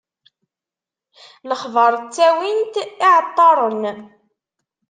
Lexbaṛ ttawin-t iɛeṭṭaṛen.